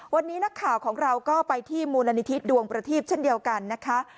วันนี้นักข่าวของเราก็ไปที่มูลนิธิดวงประทีปเช่นเดียวกันนะคะ